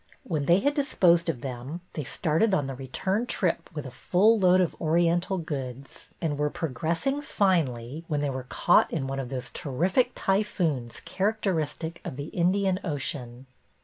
When they had disposed of them they started on the return trip with a full load of Oriental goods, and were progressing finely when they were caught in one of those terrific typhoons characteristic of the Indian Ocean.